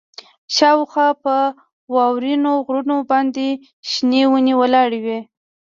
شاوخوا په واورینو غرونو باندې شنې ونې ولاړې وې